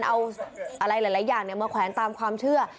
เอาอะไรหลายอย่างมาแขวนตามความเชื่อ